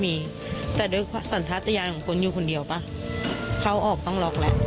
อีกซักนิดนึง